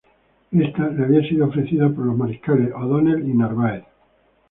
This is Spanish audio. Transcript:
Esta le había sido ofrecida por los mariscales O'Donnell y Narváez.